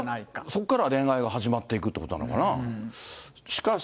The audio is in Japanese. そこから恋愛が始まっていくということなのかな。